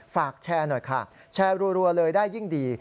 ฝากแชร์หน่อยค่ะแชร์รัวเลยได้ยิ่งดี